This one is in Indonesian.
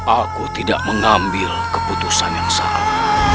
aku tidak mengambil keputusan yang salah